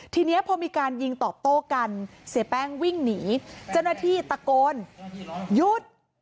ทีนี้พอมีการยิงตอบโต้กันเสียแป้งวิ่งหนีเจ้าหน้าที่ตะโกนหยุด